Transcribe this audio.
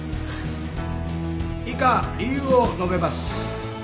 以下理由を述べます。